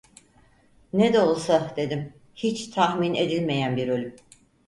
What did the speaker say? "Ne de olsa" dedim, "hiç tahmin edilmeyen bir ölüm!"